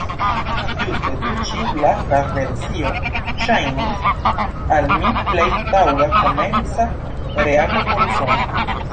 Ĝuste tiu ĉi lasta versio ŝajnis al mi plej taŭga komenca reago por Usono.